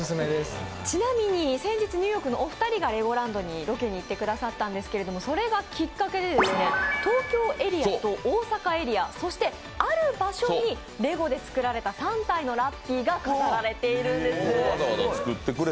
ちなみに、先日ニューヨークのお二人がロケに行っていただいたんですけどそれがきっかけで東京エリアと大阪エリアそしてある場所にレゴで作られた３体のラッピーが飾られているんです。